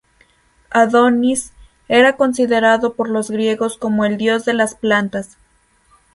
Adonis era considerado por los griegos como el dios de las plantas.